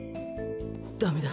「ダメだ！